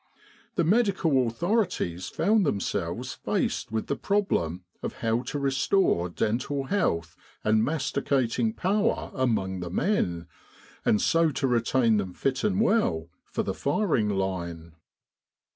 The medical authorities found them selves faced with the problem of how to restore dental health and masticating power among the men, and so to retain them fit and well for the firing line.